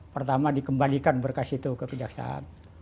pertama dikembalikan berkas itu ke kejaksaan